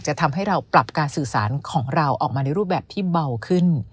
ทำให้เราปรับการสื่อสารของเราออกมาในรูปแบบที่เบาขึ้น